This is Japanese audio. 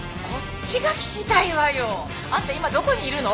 あんた今どこにいるの？